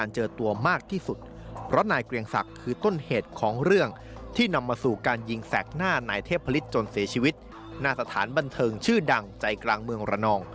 เจาะประเด็นเรื่องนี้จากรายงานครับ